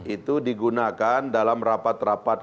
itu digunakan dalam rapat rapat